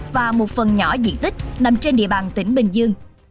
và một phần nhỏ diện tích nằm trên địa bàn tỉnh bình dương